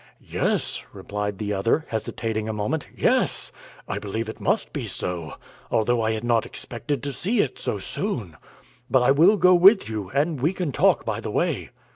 "Yes," replied the other, hesitating a moment; "yes I believe it must be so, although I had not expected to see it so soon. But I will go with you, and we can talk by the way."